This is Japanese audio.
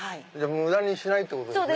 無駄にしないってことですね